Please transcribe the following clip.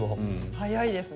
早いですね。